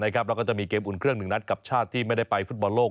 แล้วก็จะมีเกมอุ่นเครื่องหนึ่งนัดกับชาติที่ไม่ได้ไปฟุตบอลโลก